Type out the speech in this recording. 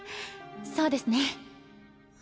そうですね